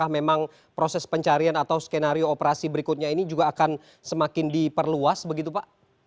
memang proses pencarian atau skenario operasi berikutnya ini juga akan semakin diperluas begitu pak